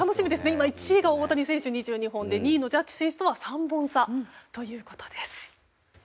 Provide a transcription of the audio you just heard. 今１位が大谷選手２２本で２位のジャッジ選手とは３本差ということです。